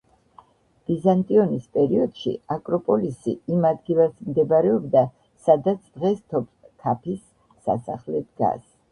ბიზანტიონის პერიოდში აკროპოლისი იმ ადგილას მდებარეობდა, სადაც დღეს თოფქაფის სასახლე დგას.